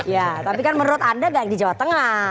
ya tapi kan menurut anda gak di jawa tengah